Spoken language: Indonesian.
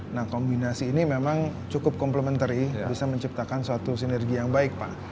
nah kombinasi ini memang cukup complementary bisa menciptakan suatu sinergi yang baik pak